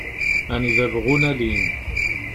Anida bɣun alin.